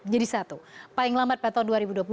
jadi satu paling lambat pada tahun dua ribu dua puluh sembilan